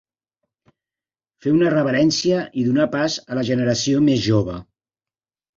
Fer una reverència i donar pas a la generació més jove.